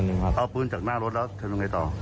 เอาปืนจากหน้ารถแล้วทำยังไงต่อ